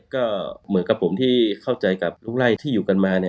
ก็เหมือนกับผมที่เข้าใจกับลูกไล่ที่อยู่กันมา